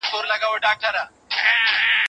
کیمیاوي درمل یوازې ژوند اوږدوي.